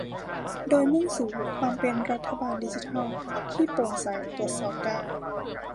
โดยมุ่งสู่ความเป็นรัฐบาลดิจิทัลที่โปร่งใสตรวจสอบได้